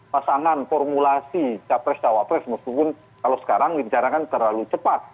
pasangan formulasi capres cawapres meskipun kalau sekarang dibicarakan terlalu cepat